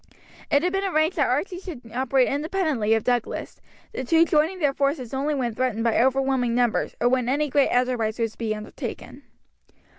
It had been arranged that Archie should operate independently of Douglas, the two joining their forces only when threatened by overwhelming numbers or when any great enterprise was to be undertaken.